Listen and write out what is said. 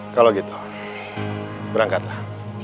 kalau gitu berangkatlah